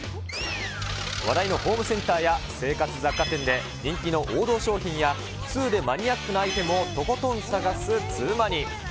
話題のホームセンターや生活雑貨店で、人気の王道商品や、ツウでマニアックなアイテムをとことん探すツウマニ。